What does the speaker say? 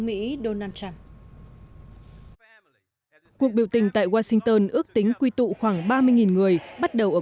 mỹ donald trump cuộc biểu tình tại washington ước tính quy tụ khoảng ba mươi người bắt đầu ở